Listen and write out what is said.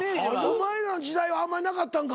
お前らの時代はあんまりなかったんか？